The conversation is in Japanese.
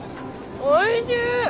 おいしい！